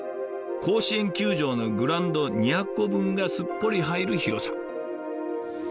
甲子園球場のグラウンド２００個分がすっぽり入る広さ。